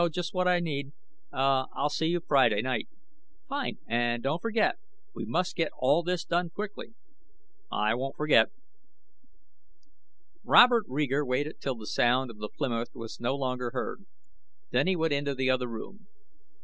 Just what I need. Uh, I'll see you Friday night." "Fine! And don't forget. We must get all this done quickly." "I won't forget." Robert Reeger waited till the sound of the Plymouth was no longer heard. Then he went into the other room.